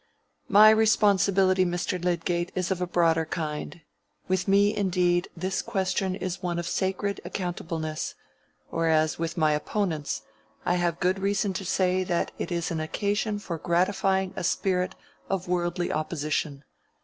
"My responsibility, Mr. Lydgate, is of a broader kind. With me, indeed, this question is one of sacred accountableness; whereas with my opponents, I have good reason to say that it is an occasion for gratifying a spirit of worldly opposition.